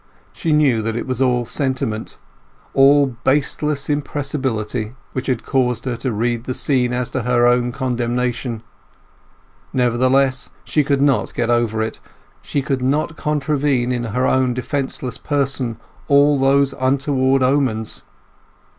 She knew that it was all sentiment, all baseless impressibility, which had caused her to read the scene as her own condemnation; nevertheless she could not get over it; she could not contravene in her own defenceless person all those untoward omens.